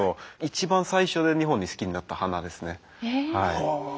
一番最初日本で好きになった花ですね。